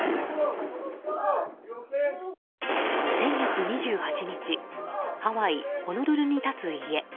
先月２８日ハワイ・ホノルルに立つ家。